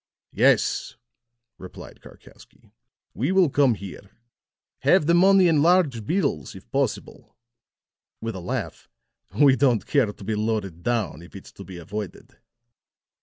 "Yes," replied Karkowsky. "We will come here. Have the money in large bills, if possible," with a laugh; "we don't care to be loaded down, if it's to be avoided."